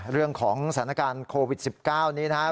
เรื่องของสถานการณ์โควิด๑๙นี้นะครับ